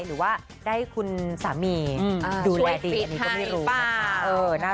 หรือว่าได้คุณสามีดูแลดีอันนี้ก็ไม่รู้นะคะ